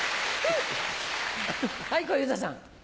はい小遊三さん。